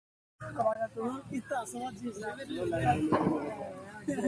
The three contact the Doctor simultaneously.